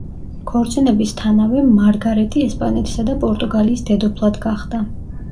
ქორწინების თანავე მარგარეტი ესპანეთისა და პორტუგალიის დედოფლად გახდა.